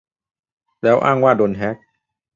แล้วอ้างว่าโดนแฮค